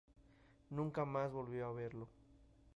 Nunca más volvió a verlo.